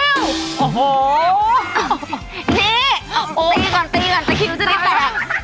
นี่ตีก่อนตีก่อนตะคิวจะได้แตก